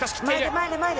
前で前で。